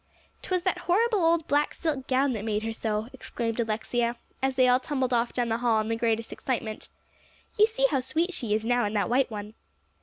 "'Twas that horrible old black silk gown that made her so," exclaimed Alexia, as they all tumbled off down the hall in the greatest excitement. "You see how sweet she is now, in that white one."